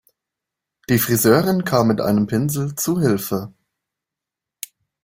Die Friseurin kam mit einem Pinsel zu Hilfe.